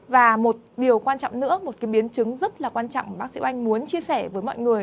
và một điều quan trọng nữa một cái biến chứng rất là quan trọng mà bác sĩ oanh muốn chia sẻ với mọi người